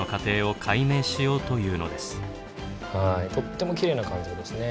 とってもきれいな肝臓ですね。